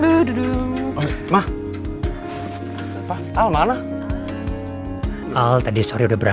yaudah aku ikut ya pak